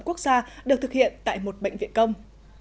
quốc gia được thực hiện tại một bệnh viện công